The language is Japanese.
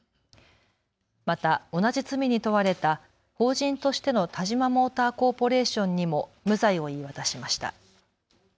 また同じ罪に問われた法人としてのタジマモーターコーポレーションにも無罪を言い渡しました。